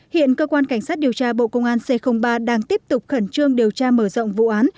hiện cơ quan cảnh sát điều tra bộ công an c ba đang tiếp tục khẩn trương điều tra mở rộng vụ án